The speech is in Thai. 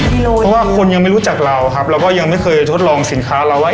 เพราะว่าคนยังไม่รู้จักเราครับเราก็ยังไม่เคยทดลองสินค้าเราไว้